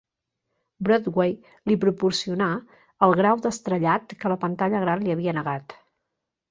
Broadway li proporcionà el grau d'estrellat que la pantalla gran li havia negat.